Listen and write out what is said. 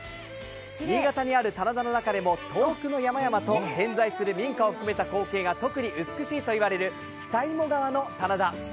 新潟にある棚田の中で遠くの山々と偏在する民家を含めた光景が特に美しいと言われる北五百川の棚田。